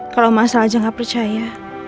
kalau masalah aja nggak percaya